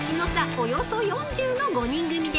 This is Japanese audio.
およそ４０の５人組で］